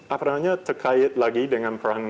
apalagi terkait lagi dengan perang